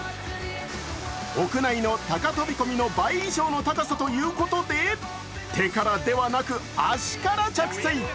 屋内の高飛び込みの倍以上の高さということで手からではなく足から着水。